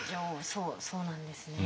そうそうなんですね。